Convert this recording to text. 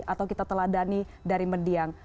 atau kita teladani dari mendiang